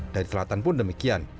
dari selatan pun demikian